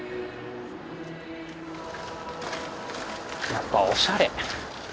やっぱおしゃれ。